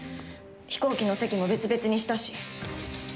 飛行機の席も別々にしたし。